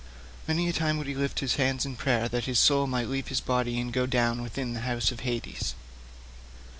Many a time would he lift his hands in prayer that his soul might leave his body and go down within the house of Hades.